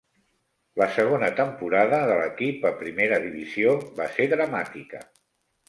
La segona temporada de l'equip a primera divisió va ser dramàtica.